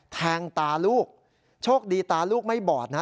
ตาลูกโชคดีตาลูกไม่บอดนะ